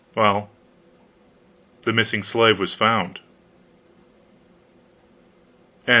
Well, the missing slave was found.